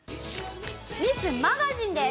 ミスマガジンです。